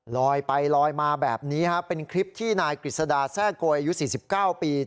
ลอยไปลอยมาแบบนี้เป็นคลิปที่นายกฤษดาแทร่โกยอายุ๔๙ปี